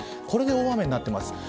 これで大雨になっています。